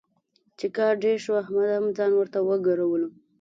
چې کار ډېر شو، احمد هم ځان ورته وګرولو.